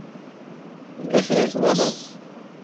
Yella kra i twalaḍ?